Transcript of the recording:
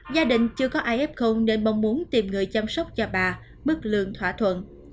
gia đình chưa có ai f nên mong muốn tìm người chăm sóc cho bà mức lương thỏa thuận